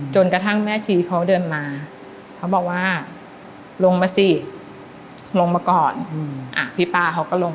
จนกระทั่งแม่ชีเขาเดินมาเขาบอกว่าลงปะสิลงมาก่อน